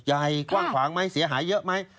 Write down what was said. ใหญ่กว้างขวางไหมเสียหายเยอะไหม